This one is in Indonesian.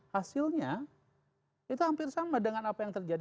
hasilnya itu hampir sama dengan apa yang terjadi